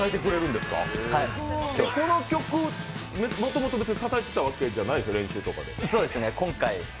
この曲、もともと別にたたいてたわけじゃないでしょ？